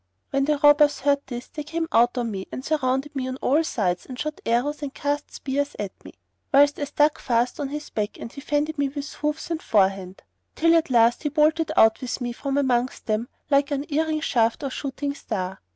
When the robbers heard this, they came out on me and surrounded me on all sides and shot arrows and cast spears at me, whilst I stuck fast on his back and he fended me with hoofs and forehand,[FN#91] till at last he bolted out with me from amongst them like unerring shaft or shooting star.